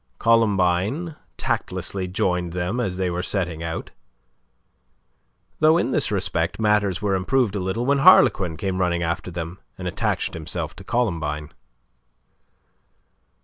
Columbine tactlessly joined them as they were setting out, though in this respect matters were improved a little when Harlequin came running after them, and attached himself to Columbine.